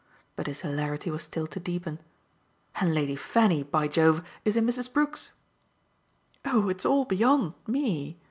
But his hilarity was still to deepen. "And Lady Fanny, by Jove, is in Mrs. Brook's!" "Oh it's all beyond ME!"